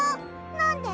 なんで！？